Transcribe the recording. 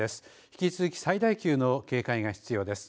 引き続き最大級の警戒が必要です。